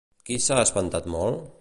Qui s'ha espantat molt?